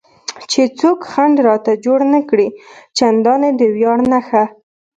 چې څوک خنډ راته جوړ نه کړي، چندانې د ویاړ نښه.